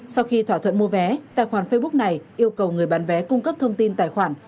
sau khi thỏa thuận mua vé tài khoản facebook này yêu cầu người bán vé cung cấp thông tin tài khoản